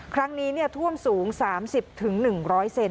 ครั้งนี้ท่วมสูง๓๐๑๐๐เซน